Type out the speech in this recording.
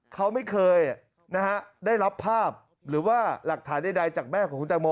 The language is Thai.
เขาไม่เคยได้รับภาพหรือว่าหลักฐานใดจากแม่ของคุณแตงโม